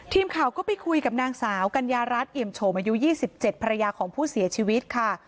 ทีมข่าวก็ไปคุยกับนางสาวกัญญารัฐเอี่ยมโฉมอายุ๒๗ภรรยาของผู้เสียชีวิตค่ะ